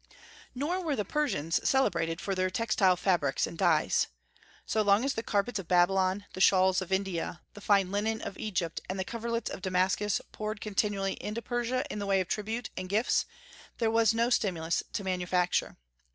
Nor were the Persians celebrated for their textile fabrics and dyes. "So long as the carpets of Babylon, the shawls of India, the fine linen of Egypt, and the coverlets of Damascus poured continually into Persia in the way of tribute and gifts, there was no stimulus to manufacture."